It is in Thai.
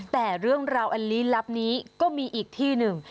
แต่เรื่องราวอันลี้ลับนี้ก็มีอีกที่หนึ่ง